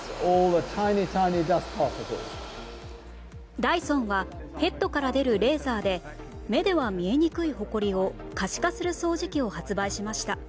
ダイソンはヘッドから出るレーザーで目では見えにくいほこりを可視化する掃除機を発売しました。